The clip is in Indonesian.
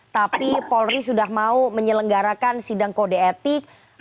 tapi polri sudah mau menyelenggarakan sidang kode etik